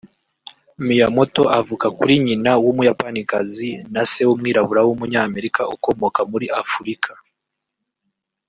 Miyamoto avuka kuri nyina w’Umuyapanikazi na se w’umwirabura w’Umunyamerika ukomoka muri Afurika